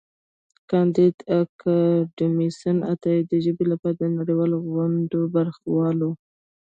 کانديد اکاډميسن عطايي د ژبې لپاره د نړیوالو غونډو برخه وال و.